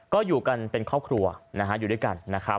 ก็อยู่กันเป็นครอบครัวนะฮะ